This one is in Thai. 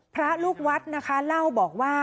พระลูกวัดนะคะเล่าบอกว่า